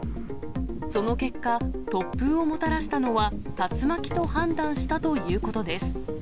その結果、突風をもたらしたのは、竜巻と判断したということです。